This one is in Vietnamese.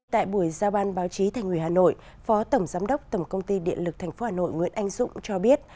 tại buổi giao ban báo chí thành người hà nội phó tổng giám đốc tổng công ty điện lực thành phố hà nội nguyễn anh dũng cho biết